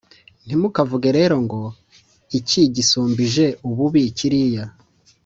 Ntimukavuge rero ngo «Iki gisumbije ububi kiriya»,